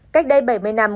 cách đây bảy mươi năm